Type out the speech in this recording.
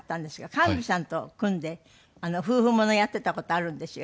寛美さんと組んで夫婦ものやってた事あるんですよ